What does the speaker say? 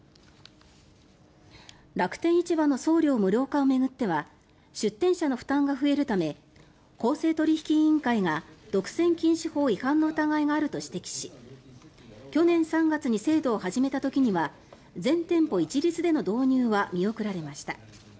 楽天市場の送料無料化を巡っては出店者の負担が増えるため公正取引委員会が独占禁止法違反の疑いがあると指摘し去年３月に制度を始めた時には全店舗一律での導入は見送られました。